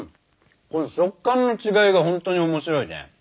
この食感の違いがほんとに面白いね。